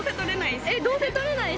どうせ取れないし。